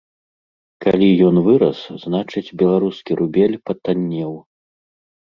Калі ён вырас, значыць, беларускі рубель патаннеў.